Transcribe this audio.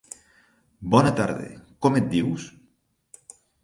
Bona tarda. Com et dius?